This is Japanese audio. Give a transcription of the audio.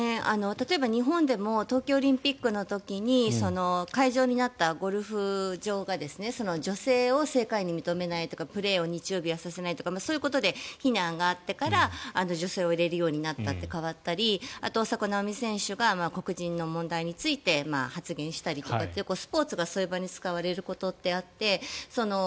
例えば日本でも東京オリンピックの時に会場になったゴルフ場が女性を世界に認めないとかプレーを日曜日はさせないとかそういうことで非難があってから女性を入れるようになったって変わったりあとは大坂なおみ選手が黒人の問題について発言したりとかってスポーツがそういう場に使われることってあって。